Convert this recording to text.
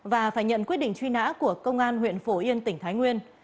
và phải nhận quyết định truy nã của công an huyện phổ yên tỉnh thái nguyên